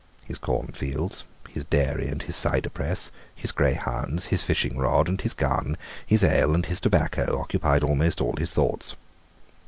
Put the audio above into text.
His cornfields, his dairy and his cider press, his greyhounds, his fishing rod and his gun, his ale and his tobacco, occupied almost all his thoughts.